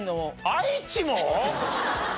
愛知も！？